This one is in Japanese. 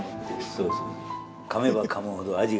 そうそう。